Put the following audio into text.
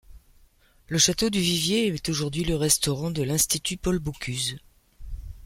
Le château du Vivier est aujourd'hui le restaurant de l'Institut Paul-Bocuse.